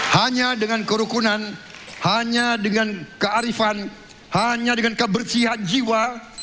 hanya dengan kerukunan hanya dengan kearifan hanya dengan kebersihan jiwa